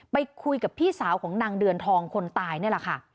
ไปคุยกับพี่สาวของนางเดือนทองคนตายนี่แหละค่ะ